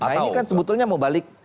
nah ini kan sebetulnya mau balik